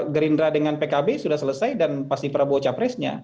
gerindra dengan pkb sudah selesai dan pasti prabowo capresnya